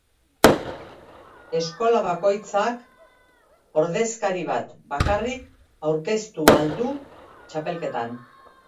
Eskola bakoitzak ordezakari bat bakarrik aurkeztu ahal du txapelketan.